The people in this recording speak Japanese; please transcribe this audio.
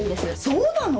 そうなの？